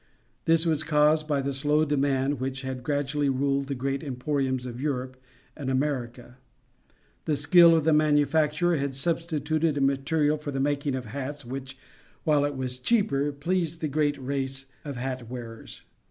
This was caused by the slow demand which had gradually ruled at the great emporiums of Europe and America. The skill of the manufacturer had substituted a material for the making of hats which, while it was cheaper, pleased the great race of hat wearers.